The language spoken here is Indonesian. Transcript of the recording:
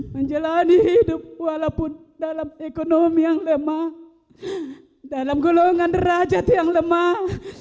menjalani hidup walaupun dalam ekonomi yang lemah dalam golongan derajat yang lemah